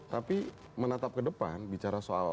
tapi menatap ke depan bicara soal